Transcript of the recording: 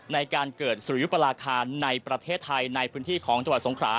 ในการเกิดสุริยุปราคาในประเทศไทยในพื้นที่ของจังหวัดสงขรา